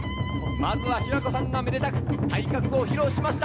まずは平子さんがめでたく体格を披露しました。